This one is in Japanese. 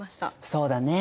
そうだね。